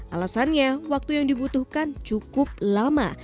alasannya waktu yang dibutuhkan cukup lama